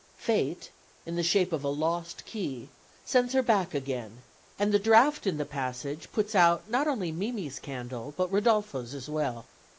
Fate, in the shape of a lost key, sends her back again, and the draught in the passage puts out not only Mimi's candle, but Rodolfo's as well.